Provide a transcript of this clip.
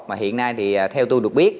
mà hiện nay thì theo tôi được biết